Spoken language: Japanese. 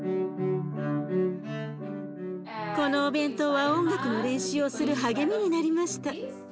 このお弁当は音楽の練習をする励みになりました。